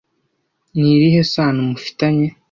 Ni irihe sano mufitanye